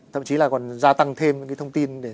thậm chí là còn gia tăng thêm những thông tin này